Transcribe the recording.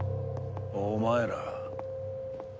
お前ら。